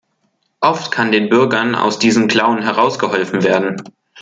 Oft kann den Bürgern aus diesen Klauen herausgeholfen werden.